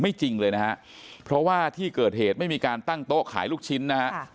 จริงเลยนะฮะเพราะว่าที่เกิดเหตุไม่มีการตั้งโต๊ะขายลูกชิ้นนะฮะ